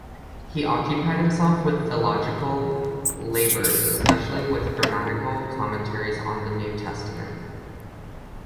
He occupied himself with philological labors, especially with grammatical commentaries on the New Testament.